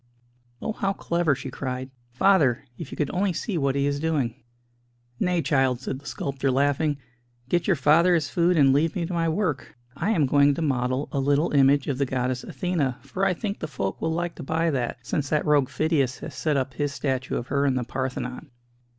"Oh, how clever!" she cried. "Father, if you could only see what he is doing!" "Nay, child," said the sculptor, laughing; "get your father his food, and leave me to my work. I am going to model a little image of the goddess Athena, for I think the folk will like to buy that, since that rogue Phidias has set up his statue of her in the Parthenon."